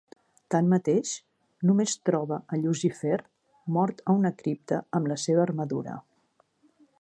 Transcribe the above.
Tanmateix, només troba a Llucifer, mort a una cripta amb la seva armadura.